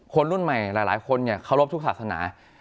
คนรุ่นใหม่หลายคนเนี่ยเคารพทุกศาสนา